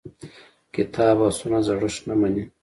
کتاب او سنت زړښت نه مني.